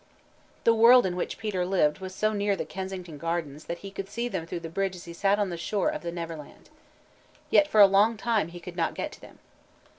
_ The world in which Peter lived was so near the Kensington Gardens that he could see them through the bridge as he sat on the shore of the Neverland. Yet for a long time he could not get to them.